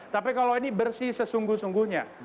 tapi kalau ini bersih sesungguh sungguhnya